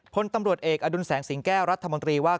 พลตำรวจเอกอดุลแสงสิงแก้วรัฐมนตรีว่า